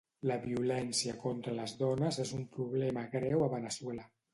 La violència contra les dones és un problema greu a Veneçuela.